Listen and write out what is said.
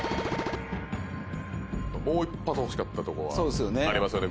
もう一発欲しかったとこがありますよね